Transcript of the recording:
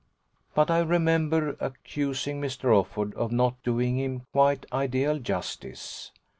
But I remember accusing Mr. Offord of not doing him quite ideal justice.